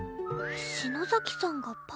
篠崎さんがパパ